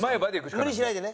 無理しないでね。